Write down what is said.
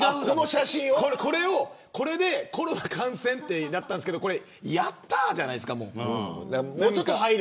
これでコロナ感染ってやったんですけどやったーじゃないですか。